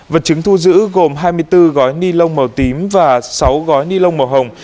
vật chứng thu giữ gồm hai mươi bốn gói ni lông màu tím và sáu gói ni lông màu hồng